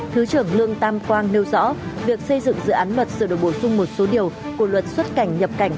thứ trưởng lương tam quang nêu rõ việc xây dựng dự án luật sửa đổi bổ sung một số điều của luật xuất cảnh nhập cảnh